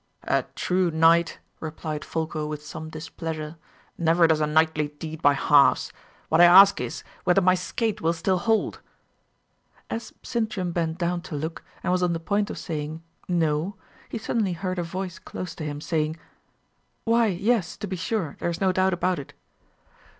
"A true knight," replied Folko, with some displeasure, "never does a knightly deed by halves. What I ask is, whether my skate will still hold?" As Sintram bent down to look, and was on the point of saying "No!" he suddenly heard a voice close to him, saying, "Why, yes, to be sure; there is no doubt about it."